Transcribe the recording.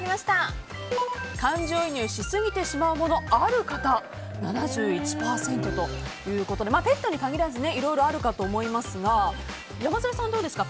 感情移入しすぎてしまうものがある方、７１％ということでペットに限らずいろいろあるかと思いますが山添さんはどうですか。